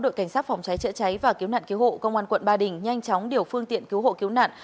cảnh sát phòng trái trợ cháy và cứu nạn cứu hộ công an quận ba đình nhanh chóng điều phương tiện cứu hộ cứu nạn